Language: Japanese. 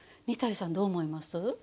にたりさんどう思います？